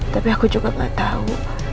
tapi aku juga gak tahu